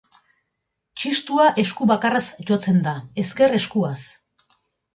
Txistua esku bakarraz jotzen da, ezker eskuaz.